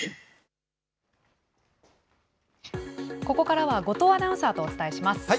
ここからは後藤アナウンサーとお伝えします。